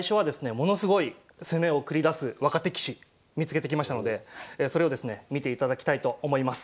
ものすごい攻めを繰り出す若手棋士見つけてきましたのでそれをですね見ていただきたいと思います。